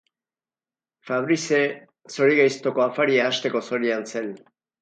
Fabrice zorigaiztoko afaria hasteko zorian zen.